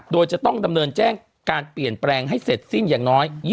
โดยจะต้องดำเนินแจ้งการเปลี่ยนแปลงให้เสร็จสิ้นอย่างน้อย